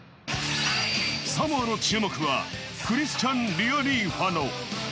サモアの注目はクリスチャン・リアリーファノ。